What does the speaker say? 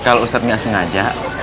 kalau ustadz gak sengaja